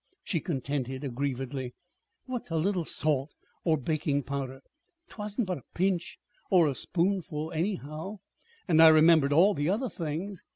she contended aggrievedly. "What's a little salt or baking powder? 'Twasn't but a pinch or a spoonful, anyhow, and I remembered all the other things.